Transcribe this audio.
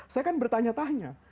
saya kan bertanya tanya